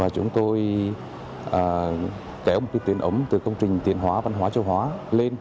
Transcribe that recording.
chúng tôi kéo một cái tiền ống từ công trình tiền hóa văn hóa châu hóa lên